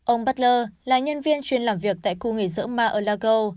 ông butler là nhân viên chuyên làm việc tại khu nghỉ dưỡng mar a lago